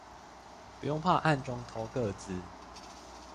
不用怕暗中偷個資